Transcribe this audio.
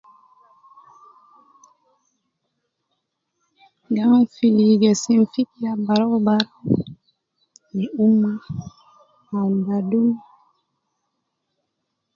Gi awun fi gesim fikira barau barau fi umma, awun badum